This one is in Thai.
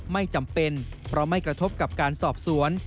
ไม่จำเป็นเพราะไม่กระทบกับการสอบสวน